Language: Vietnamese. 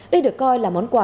đây được coi là món quà